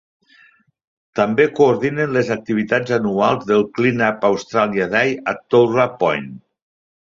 També coordinen les activitats anuals del Clean Up Australia Day a Towra Point.